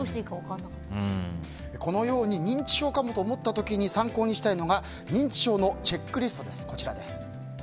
このように認知症かもと思った時に参考にしたいのが認知症のチェックリストです。